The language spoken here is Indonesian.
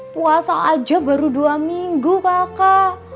puasa aja baru dua minggu kakak